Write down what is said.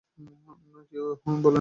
কেউ কেউ বলেন এটি কাল্পনিক রানী।